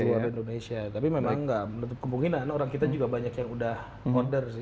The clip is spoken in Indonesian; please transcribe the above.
pasar luar indonesia tapi memang tidak menurut kemungkinan orang kita juga banyak yang sudah order sih